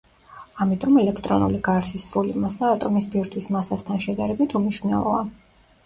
ამიტომ ელექტრონული გარსის სრული მასა ატომის ბირთვის მასასთან შედარებით უმნიშვნელოა.